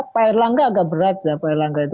pak erlangga agak berat ya pak erlangga itu